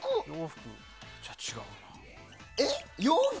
じゃあ違うな。